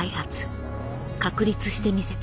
確立してみせた。